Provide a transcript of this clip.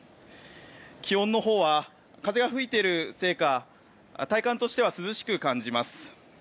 気温は風が吹いているせいか体感としては涼しく感じます。